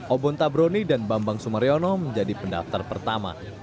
obon tabroni dan bambang sumaryono menjadi pendaftar pertama